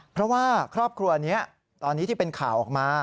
เพราะว่าครอบครัวนี้ตอนนี้ที่เป็นข่าวออกมา